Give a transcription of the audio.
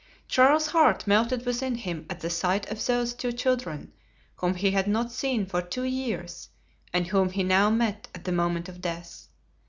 Charles's heart melted within him at the sight of those two children, whom he had not seen for two years and whom he now met at the moment of death.